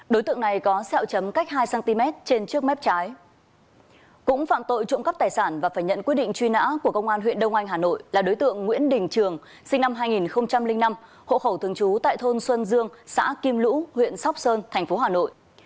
điện quyết định truy nã của công an huyện đông anh hà nội là đối tượng nguyễn đình trường sinh năm hai nghìn năm hộ khẩu thường trú tại thôn xuân dương xã kim lũ huyện sóc sơn tp hà nội